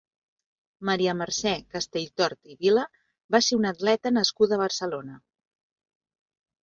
Maria Mercè Castelltort i Vila va ser una atleta nascuda a Barcelona.